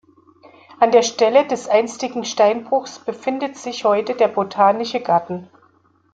An der Stelle des einstigen Steinbruchs befindet sich heute der Botanische Garten.